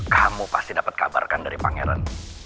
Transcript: kamu pasti dapet kabar kan dari pangeran